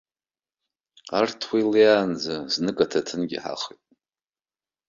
Арҭ уа илеиаанӡа, знык аҭыҭынгьы ҳахоит.